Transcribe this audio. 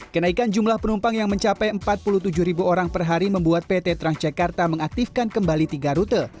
kenaikan jumlah penumpang yang mencapai empat puluh tujuh ribu orang per hari membuat pt transjakarta mengaktifkan kembali tiga rute